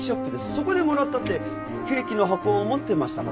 そこでもらったってケーキの箱を持ってましたから。